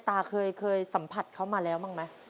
ตาเคยสัมผัสเขามาแล้วบ้างไหม